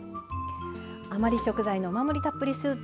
余り食材のうまみたっぷりスープ。